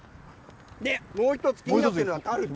もう１つ気になっているのがタルト。